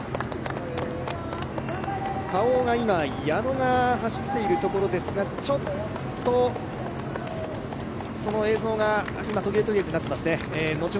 Ｋａｏが今、矢野が走っているところですがちょっとその映像が今、途切れ途切れになっていますね。